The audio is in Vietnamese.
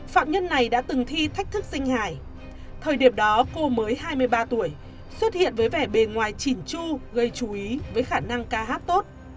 phạm nhân này đã từng thi thách thức sinh hài thời điểm đó cô mới hai mươi ba tuổi xuất hiện với vẻ bề ngoài chỉn chu gây chú ý với khả năng ca hát tốt